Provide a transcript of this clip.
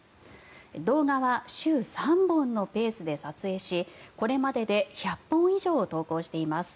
動画は週３本のペースで撮影しこれまでで１００本以上投稿しています。